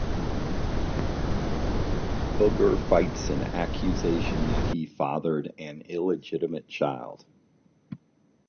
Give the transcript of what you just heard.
Booger fights an accusation that he fathered an illegitimate child.